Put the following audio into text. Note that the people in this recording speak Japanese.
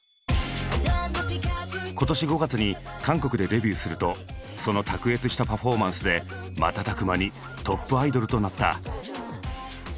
今年５月に韓国でデビューするとその卓越したパフォーマンスで瞬く間にトップアイドルとなった。